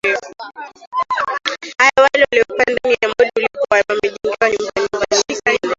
haya wale waliokuwa ndani ya mgodi ulipo wamejengewa nyumba nyumba zile